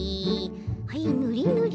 はいぬりぬりぬり。